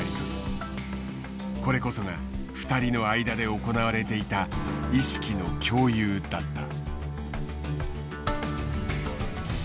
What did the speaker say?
これこそが２人の間で行われていた意識の共有だった。